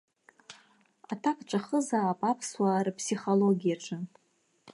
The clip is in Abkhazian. Аҭак ҵәахызаап аԥсуаа рыԥсихологиаҿы.